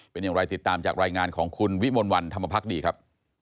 เป็นอย่างไรติดตามจากรายงานของคุณวิมลวันธรรมพักดีครับ